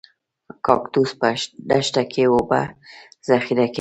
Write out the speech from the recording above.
کاکتوس په دښته کې اوبه ذخیره کوي